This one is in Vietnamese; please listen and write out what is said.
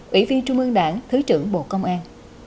ủy viên trung ương đảng thứ trưởng bộ công an